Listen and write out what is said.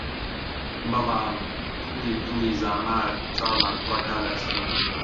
بەڵام کوڵی دڵی زامار، چاومان پڕ ئەکا لە ئەسرین!